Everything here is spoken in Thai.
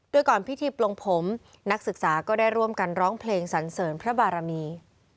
โดยก่อนพิธีปลงผมนักศึกษาก็ได้ร่วมกันร้องเพลงสันเสริญพระบารมี